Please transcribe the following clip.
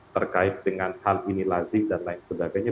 terkait dengan hal ini lazim dan lain sebagainya